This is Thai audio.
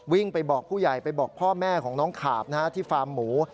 วิ่งไปบอกผู้ใหญ่ไปบอกพ่อแม่ของน้องขาบที่ฟาร์มหมู